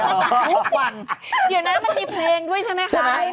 อย่างนั้นมันมีเพลงด้วยใช่ไหมครับ